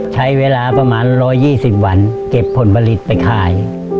ใช้เวลาประมาณ๑๒๐วันเก็บผลผลิตไปขาย